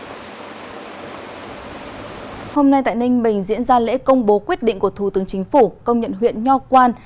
hôm nay tại ninh bình diễn ra lễ công bố quyết định của thủ tướng chính phủ công nhận huyện nho quan